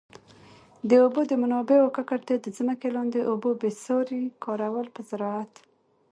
د اوبو د منابعو ککړتیا، د ځمکي لاندي اوبو بي ساري کارول په زراعت.